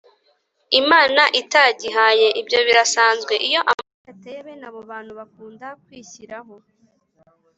imana itagihaye. ibyo birasanzwe: iyo amapfa yateye, bene abo bantu bakunda kwishyiraho.